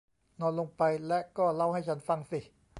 นอนลงไป และก็เล่าให้ฉันฟังสิ